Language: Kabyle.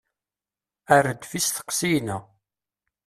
Err-d f isteqsiyen-a.